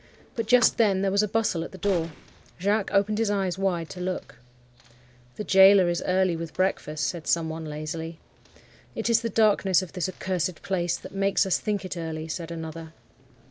But just then there was a bustle at the door. Jacques opened his eyes wide to look. "'The gaoler is early with breakfast,' said some one, lazily. "'It is the darkness of this accursed place that makes us think it early,' said another.